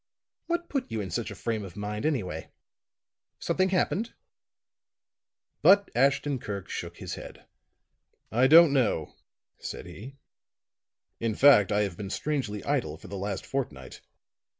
"What put you into such a frame of mind, anyway? Something happened?" But Ashton Kirk shook his head. "I don't know," said he. "In fact, I have been strangely idle for the last fortnight.